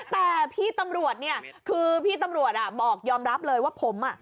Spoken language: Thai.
แต่พี่ตำรวจเนี่ยคือพี่ตำรวจบอกยอมรับเลยว่าผมอ่ะ